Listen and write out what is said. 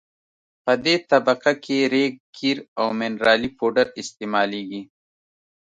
په دې طبقه کې ریګ قیر او منرالي پوډر استعمالیږي